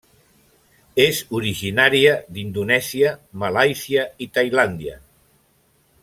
És originària d'Indonèsia, Malàisia i Tailàndia.